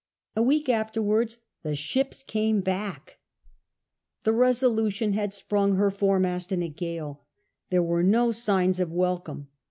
A week Afterwards the ships came back. The XI RETURN OF THE SHIPS *53 Resolution had sprung her foremast in a gale. There were no signs of welcome.